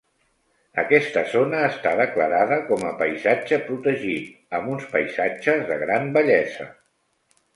Aquesta zona està declarada com a Paisatge Protegit amb uns paisatges de gran bellesa.